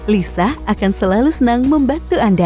lisa akan selalu senang membantu anda